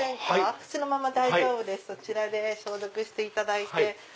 靴のまま大丈夫ですそちらで消毒していただいて。